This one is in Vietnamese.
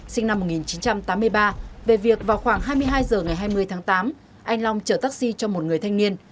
sinh năm một nghìn chín trăm tám mươi ba về việc vào khoảng hai mươi hai h ngày hai mươi tháng tám anh long chở taxi cho một người thanh niên